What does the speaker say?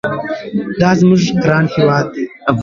دا زموږ ګران هېواد دي.